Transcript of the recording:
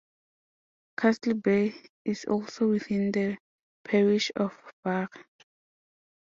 Castlebay is also within the parish of Barra.